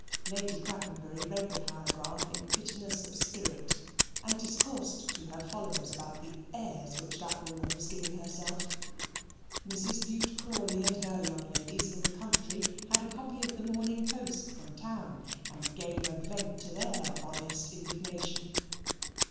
Lady Crackenbury read the paragraph in bitterness of spirit and discoursed to her followers about the airs which that woman was giving herself. Mrs. Bute Crawley and her young ladies in the country had a copy of the Morning Post from town, and gave a vent to their honest indignation.